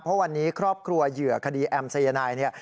เพราะวันนี้ครอบครัวเหยื่อคดีแอมสายนายเนี่ย